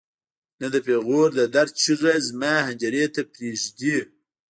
نه د پېغور د درد چیغه زما حنجرې ته پرېږدي.